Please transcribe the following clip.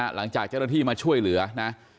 หลังจากเจ้าหน้าที่มาช่วยเหลือนะ